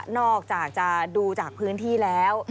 อกจากจะดูจากพื้นที่แล้ว